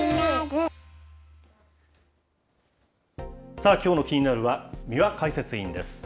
さあ、きょうのキニナル！は、三輪解説委員です。